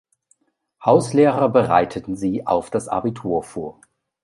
Hauslehrer bereiteten sie auf das Abitur vor.